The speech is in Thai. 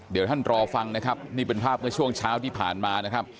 เดี๋ยวท่านรอฟังนะครับนี่เป็นภาพเมื่อช่วงเช้าที่ผ่านมานะครับ